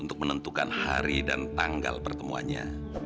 untuk menentukan hari dan tanggal pertemuannya